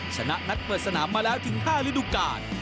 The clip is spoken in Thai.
ชนะนัดเปิดสนามมาแล้วถึง๕ฤดูกาล